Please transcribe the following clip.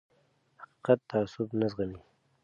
حقیقت تعصب نه زغمي